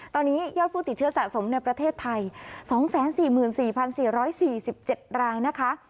ตอนนี้ยอดผู้ติดเชื้อสะสมในประเทศไทย๒๔๔๔๔๗รายนะคะ